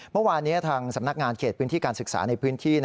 เมื่อวานนี้ทางสำนักงานเขตพื้นที่การศึกษาในพื้นที่